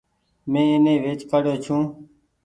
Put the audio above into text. مين ايني ويچ ڪآڙيو ڇون ۔